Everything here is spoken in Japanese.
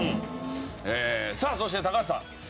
さあそして高橋さん。